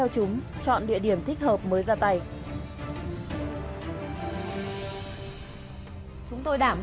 chúng tôi đều có phương án dự phòng